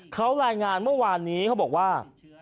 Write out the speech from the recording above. เขารายงานเมื่อวานนี้เขาบอกว่า